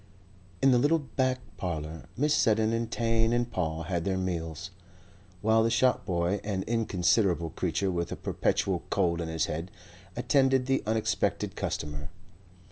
In the little back parlour Mrs. Seddon and Tane and Paul had their meals, while the shop boy, an inconsiderable creature with a perpetual cold in his head, attended to the unexpected customer.